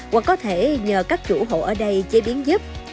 hoặc có thể nhờ các chủ hộ ở đây chế biến giúp